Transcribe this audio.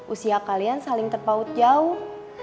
usia kalian saling terpaut jauh